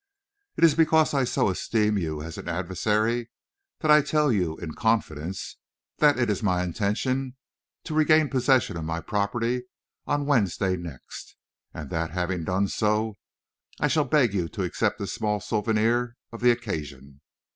"It is because I so esteem you as an adversary that I tell you, in confidence, that it is my intention to regain possession of my property on Wednesday next, and that, having done so, I shall beg you to accept a small souvenir of the occasion.